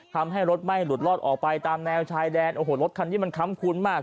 ทำให้รถไม่หลุดลอดออกไปตามแนวชายแดนโอ้โหรถคันนี้มันค้ำคุ้นมาก